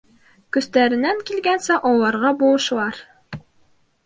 Көстәренән килгәнсә, ололарға булышалар.